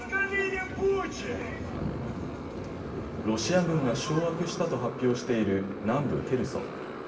ロシア軍が掌握したと発表している南部ヘルソン。